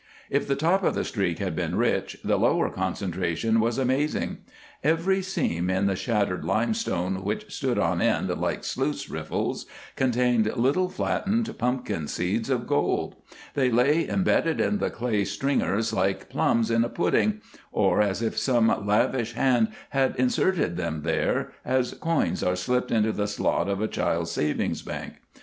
If the top of the streak had been rich, the lower concentration was amazing. Every seam in the shattered limestone, which stood on end like sluice riffles, contained little flattened pumpkin seeds of gold; they lay embedded in the clay stringers like plums in a pudding or as if some lavish hand had inserted them there, as coins are slipped into the slot of a child's savings bank.